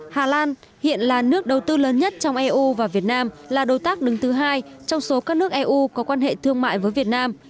hà lan hiện là nước đầu tư lớn nhất trong eu và việt nam là đối tác đứng thứ hai trong số các nước eu có quan hệ thương mại với việt nam